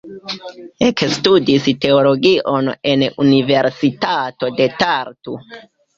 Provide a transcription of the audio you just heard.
Ekstudis teologion en Universitato de Tartu.